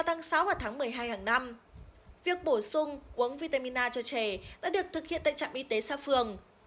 trong một tháng một mươi hai hàng năm việc bổ sung uống vitamin a cho trẻ đã được thực hiện tại trạm y tế xa phường